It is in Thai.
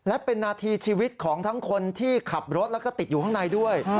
และเป็นนาทีชีวิตของทั้งคนที่ขับรถแล้วก็ติดอยู่ข้างในด้วย